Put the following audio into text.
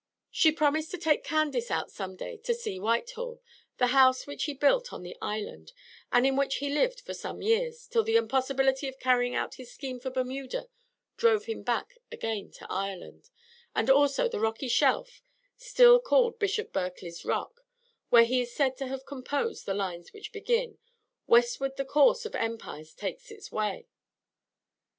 She promised to take Candace out some day to see Whitehall, the house which he built on the island, and in which he lived for some years, till the impossibility of carrying out his scheme for Bermuda drove him back again to Ireland; and also the rocky shelf still called "Bishop Berkeley's Rock," where he is said to have composed the lines which begin "Westward the course of empire takes its way."